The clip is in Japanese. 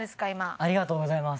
ありがとうございます。